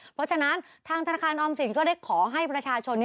เพราะฉะนั้นทางธนาคารออมสินก็ได้ขอให้ประชาชน